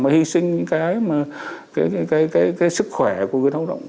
mà hy sinh những cái sức khỏe của người lao động